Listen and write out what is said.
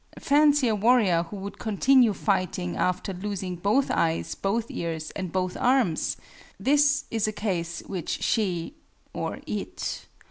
Fancy a warrior who would continue fighting after losing both eyes, both ears, and both arms! This is a case which she (or "it?")